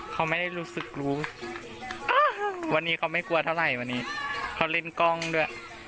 เขาไม่ได้รู้สึกรู้วันนี้เขาไม่กลัวเท่าไหร่วันนี้เขาเล่นกล้องด้วย